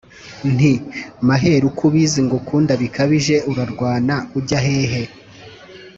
Nti: Maheru ko ubiziNgukunda bikabijeUrarwana ujya hehe?